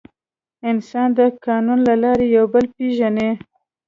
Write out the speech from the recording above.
انسان د قانون له لارې یو بل پېژني.